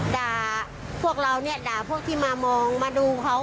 ด่าไหมครับพวกเราด่าพวกที่มามองมาดูเขา